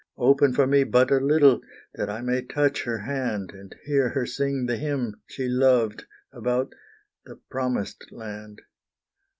Open for me but a little, that I may touch her hand, And hear her sing the hymn she loved about "The Promised Land."